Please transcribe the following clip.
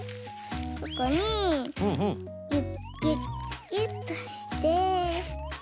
ここにギュッギュッギュッとして。